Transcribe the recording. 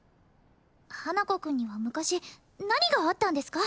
花子くんには昔何があったんですか？